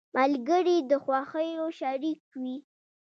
ملګري د خوښیو شريک وي.